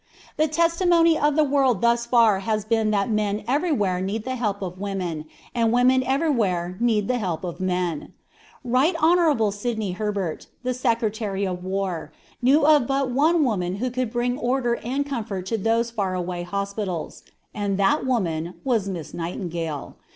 The testimony of the world thus far has been that men everywhere need the help of women, and women everywhere need the help of men. Right Honorable Sydney Herbert, the Secretary of War, knew of but one woman who could bring order and comfort to those far away hospitals, and that woman was Miss Nightingale.